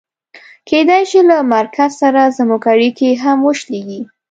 کېدای شي له مرکز سره زموږ اړیکې هم وشلېږي.